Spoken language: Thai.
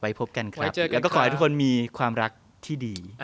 แล้วก็ขอให้ทุกคนมีความรักที่ดี